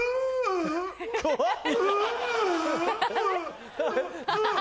怖い。